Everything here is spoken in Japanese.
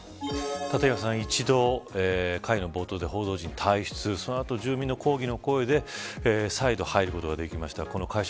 立岩さん、一度会の冒頭で報道陣を退出させその後、住民の抗議の声で再度入ることができました。